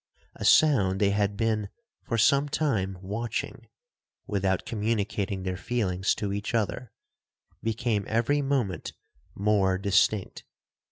A sound they had been for some time watching, (without communicating their feelings to each other), became every moment more distinct.